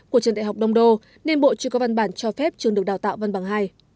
của trường đại học đông đô nên bộ chưa có văn bản cho phép trường được đào tạo văn bằng hai